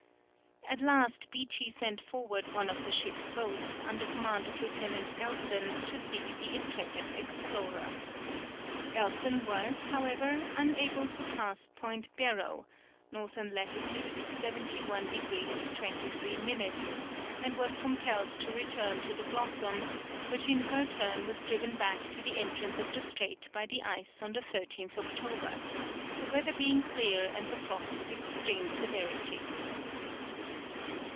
At last Beechey sent forward one of the ship's boats, under command of Lieutenant Elson, to seek the intrepid explorer. Elson was, however, unable to pass Point Barrow (N. lat. 71 degrees 23 minutes) and was compelled to return to the Blossom, which in her turn was driven back to the entrance of the strait by the ice on the 13th October, the weather being clear and the frost of extreme severity.